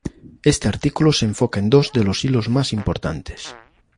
Este artículo se enfoca en dos de los hilos más importantes.